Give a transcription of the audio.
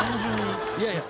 いやいや。